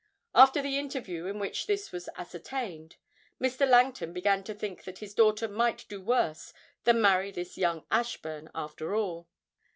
After the interview in which this was ascertained, Mr. Langton began to think that his daughter might do worse than marry this young Ashburn after all.